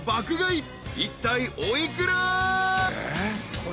［いったいお幾ら？］